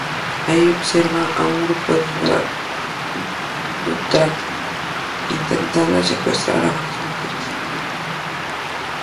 Ahí, observa a un grupo de dothraki intentando secuestrar a varias mujeres.